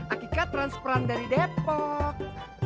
akika transperan dari depok